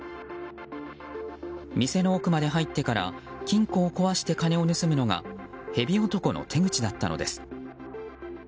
店の奥まで入ってから金庫を壊して金を盗むのがヘビ男の手口だったのです。